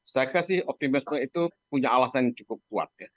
saya rasa optimisme itu punya alasan yang cukup kuat